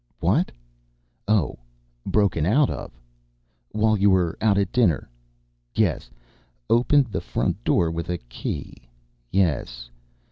What? Oh, broken out of! While you were out at dinner. Yes. Opened the front door with a key. Yes.